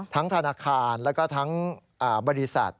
ธนาคารแล้วก็ทั้งบริษัท